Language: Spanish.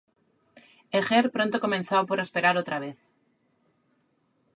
Eger pronto comenzó a prosperar otra vez.